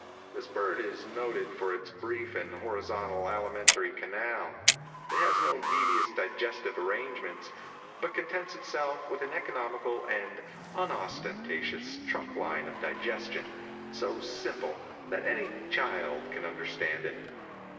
This bird is noted for its brief and horizontal alimentary canal. It has no devious digestive arrangements, but contents itself with an economical and unostentatious trunk line of digestion so simple that any child can understand it.